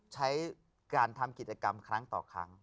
ใช้การทำกิจกรรมครั้งต่อครั้ง